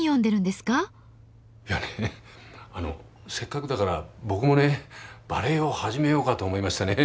いやねあのせっかくだから僕もねバレエを始めようかと思いましてね。